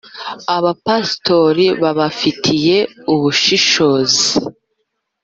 Abapasitori ba babifitiye ubushobozi